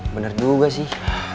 bener duga sih